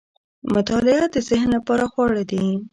مطالعه د ذهن لپاره خواړه دي.